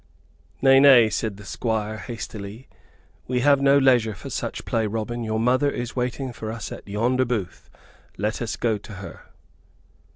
"Nay, nay," said the Squire, hastily. "We have no leisure for such play, Robin. Your mother is waiting for us at yonder booth. Let us go to her."